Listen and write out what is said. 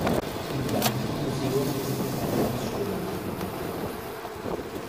Im Jamtli-Museum ist ihm eine Ausstellung gewidmet.